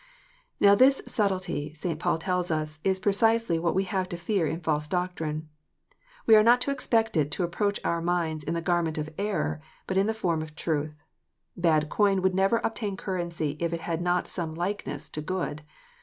Now this "subtilty," St. Paul tells us, is precisely what we have to fear in false doctrine. We are not to expect it to approach our minds in the garment of error, but in the form of truth. Bad coin would never obtain currency if it had not some likeness to good.